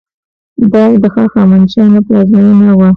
دا د هخامنشیانو پلازمینه وه.